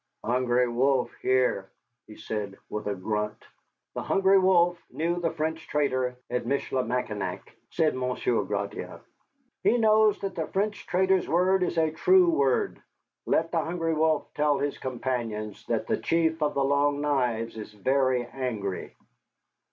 "Hungry Wolf here," he said with a grunt. "The Hungry Wolf knew the French trader at Michilimackinac," said Monsieur Gratiot. "He knows that the French trader's word is a true word. Let the Hungry Wolf tell his companions that the Chief of the Long Knives is very angry."